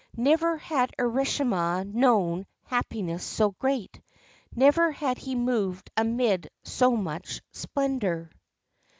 Never had Urashima known happiness so great ; never had he moved amid so much splendour.